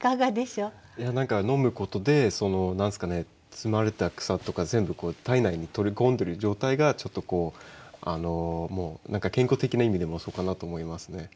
いや何か飲むことでその何ですかね摘まれた草とか全部体内に取り込んでる状態がちょっとこうもう何か健康的な意味でもそうかなと思いますね。